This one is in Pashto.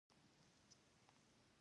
خورا ښه آشنا کړی یم.